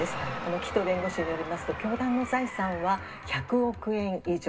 紀藤弁護士によりますと教団の財産は１００億円以上。